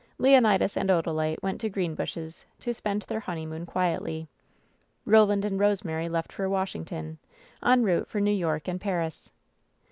Leonidas and Odalite went to Greenbushes to 8i)end their honeymoon quietly. Roland jind Rosemary left for Washington, en route for New York and Paris.